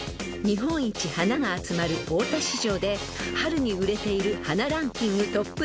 ［日本一花が集まる大田市場で春に売れている花ランキング